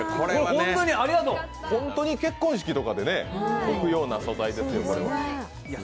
本当に結婚式で出すような素材ですよ。